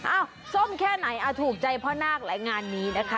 ส้มแค่ไหนถูกใจพ่อนาคหลายงานนี้นะคะ